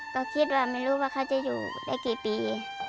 ก็คิดว่าไม่รู้ว่าเขาจะอยู่ได้กี่ปี